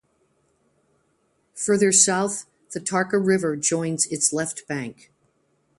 Further south the Tarka River joins its left bank.